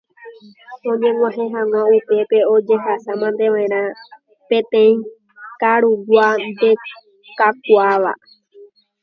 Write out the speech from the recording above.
Oñeg̃uahẽ hag̃ua upépe ojehasamanteva'erã peteĩ karugua ndekakuaáva.